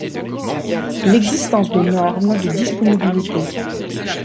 L'existence de normes de disponibilité.